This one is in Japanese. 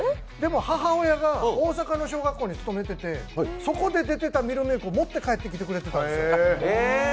でも母親が大阪の小学校に勤めててそこで出てたミルメークを持って帰ってくれたんですよ。